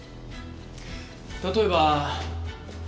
例えば。